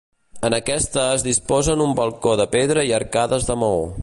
En aquesta es disposen un balcó de pedra i arcades de maó.